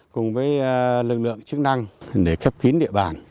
cùng với lực lượng chức năng để khép kín địa bàn